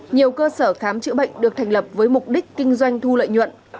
nhiều cơ sở khám chữa bệnh được thành lập với mục đích kinh doanh thu lợi nhuận